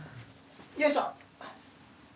よいしょ。